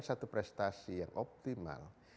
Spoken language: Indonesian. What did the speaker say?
satu prestasi yang optimal